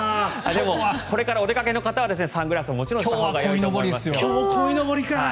でもこれからお出かけの方はサングラスももちろんしたほうがいいと思います。